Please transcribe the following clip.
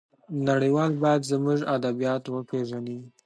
نړيوال بايد زموږ ادبيات وپېژني.